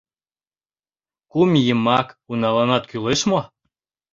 — Кум ийымак уналанат кӱлеш мо?